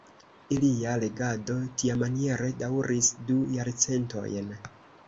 Ilia regado tiamaniere daŭris du jarcentojn.